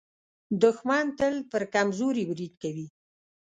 دښمن تل پر کمزوري برید کوي